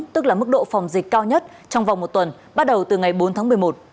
tức là mức độ phòng dịch cao nhất trong vòng một tuần bắt đầu từ ngày bốn tháng một mươi một